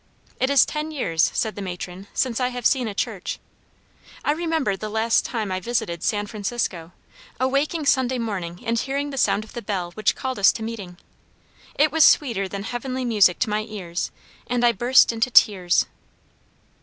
"It is ten years," said the matron, "since I have seen a church. I remember the last time I visited San Francisco, awaking Sunday morning and hearing the sound of the bell which called us to meeting. It was sweeter than heavenly music to my ears, and I burst into tears."